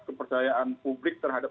kepercayaan publik terhadap